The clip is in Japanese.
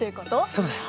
そうだよ。